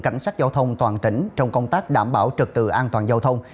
cảnh sát châu thông toàn tỉnh trong công tác đảm bảo trật tự an toàn châu thông